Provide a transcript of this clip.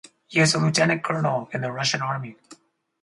He is a Lieutenant Colonel in the Russian Army.